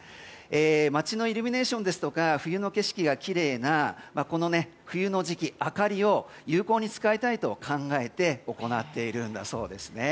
街のイルミネーションですとか冬の景色がきれいなこの冬の時期、明かりを有効に使いたいと考えて行っているんだそうですね。